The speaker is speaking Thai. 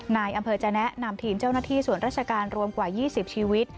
นายอำเภอจะแนะนำทีมเจ้าหน้าที่ส่วนราชการรวมกว่า๒๐ชีวิต